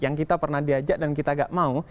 yang kita pernah diajak dan kita gak mau